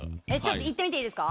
行ってみていいですか？